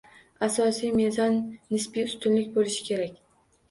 Asosiy mezon nisbiy ustunlik bo'lishi kerak